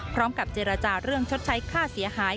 พร้อมกับเจรจาเรื่องชดใช้ค่าเสียหาย